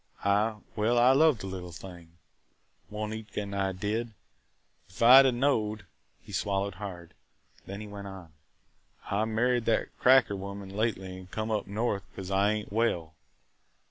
I – well, I loved the little thing, Wanetka an' I did. If I 'd 'a' knowed –" He swallowed hard. Then he went on, "I married that cracker woman lately an' come up north because I ain't well.